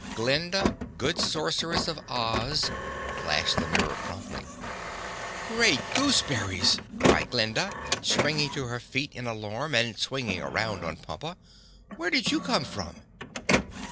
"Glinda, good Sorceress of Oz," flashed the mirror promptly. "Great gooseberries!" cried Glinda, springing to her feet in alarm and swinging around on Pompa. "Where did you come from?"